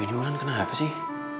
ini orang kenapa sih